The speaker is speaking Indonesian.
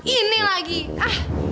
ini lagi ah